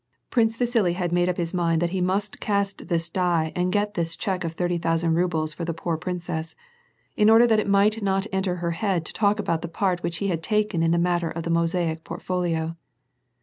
Prince Vasili had made up his mind that he must cast this die and get this check of thirty thousand rubles for the poor princess, in order that it might not enter her head to talk about the part which he had taken in the matter of the mosaic portfolio.